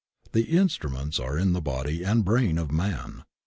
The instruments are in the body and brain of man.